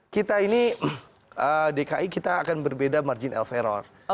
kita ini dki kita akan berbeda margin of error